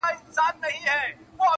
ما خو دا نه ویل شینکی آسمانه.!